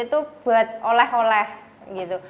itu buat oleh oleh gitu